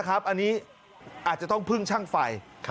อันนี้อาจจะต้องพึ่งช่างไฟ